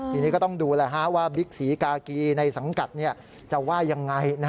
ทีนี้ก็ต้องดูว่าบิ๊กศรีกากีในสังกัดจะว่ายังไง